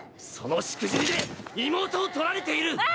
「そのしくじりで妹を取られている！」